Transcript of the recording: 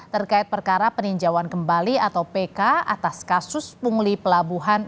terkait perkara peninjauan kembali atau pk atas kasus pungli pelabuhan